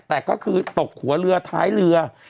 แต่ก็คือตกหัวเรือท้ายเรือ